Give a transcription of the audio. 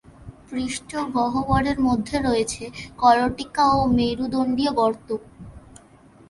পৃষ্ঠগহবরের মধ্যে রয়েছে করোটিকা ও মেরুদণ্ডীয় গর্ত।